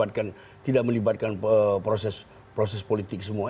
tidak melibatkan proses politik semua